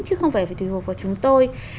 chứ không phải phải tùy thuộc vào chúng tôi